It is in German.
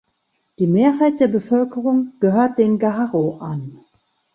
Die Mehrheit der Bevölkerung gehört den Garo an.